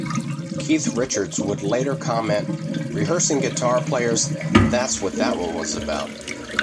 Keith Richards would later comment "Rehearsing guitar players, that's what that one was about".